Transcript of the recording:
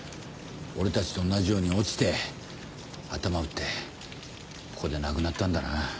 俺たちと同じように落ちて頭打ってここで亡くなったんだな。